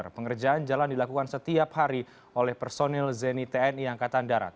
pengerjaan jalan dilakukan setiap hari oleh personil zeni tni angkatan darat